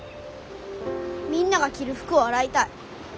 みんなが着る服を洗いたい。